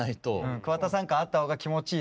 桑田さん感あった方が気持ちいいですよね。